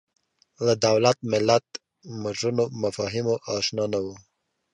له دولت ملت مډرنو مفاهیمو اشنا نه وو